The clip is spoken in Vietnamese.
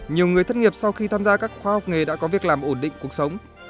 nhiều người thất nghiệp sau khi tham gia các khoa học nghề đã có việc làm ổn định cuộc sống